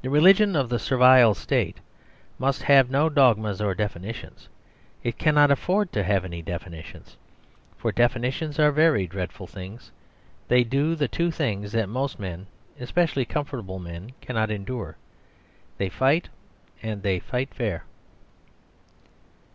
The religion of the Servile State must have no dogmas or definitions. It cannot afford to have any definitions. For definitions are very dreadful things: they do the two things that most men, especially comfortable men, cannot endure. They fight; and they fight fair.